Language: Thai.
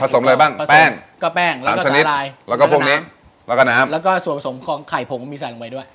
สมอะไรบ้างแป้งก็แป้งแล้วก็ชนิดอะไรแล้วก็พวกนี้แล้วก็น้ำแล้วก็ส่วนผสมของไข่ผงก็มีใส่ลงไปด้วย